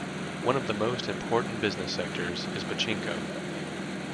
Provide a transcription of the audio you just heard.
One of the most important business sectors is pachinko.